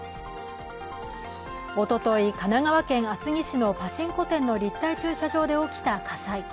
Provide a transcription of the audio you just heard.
おととい、神奈川県厚木市のパチンコ店の立体駐車場で起きた火災。